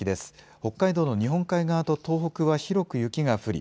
北海道の日本海側と東北は広く雪が降り